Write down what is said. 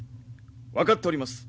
分かっております。